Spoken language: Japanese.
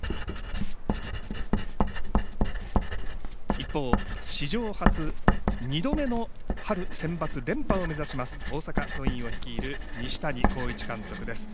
一方、史上初２度目の春センバツ連覇を目指します大阪桐蔭を率います西谷浩一監督です。